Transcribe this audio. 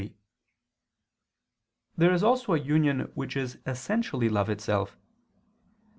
There is also a union which is essentially love itself.